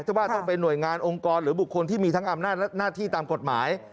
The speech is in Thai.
ว่าต้องเป็นหน่วยงานองค์กรหรือบุคคลที่มีทั้งอำนาจหน้าที่ตามกฎหมาย